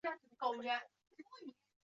穆拉姆维亚位于布隆迪中部的一座城市。